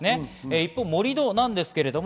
一方、盛り土です。